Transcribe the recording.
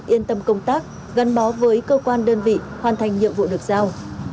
yên tâm công tác gắn bó với cơ quan đơn vị hoàn thành nhiệm vụ được giao